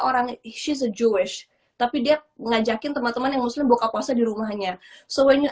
orang isis jewish tapi dia ngajakin teman teman yang muslim buka kuasa di rumahnya so when you